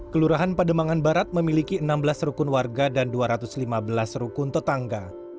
kelurahan pademangan barat memiliki enam belas rukun warga dan dua ratus lima belas rukun tetangga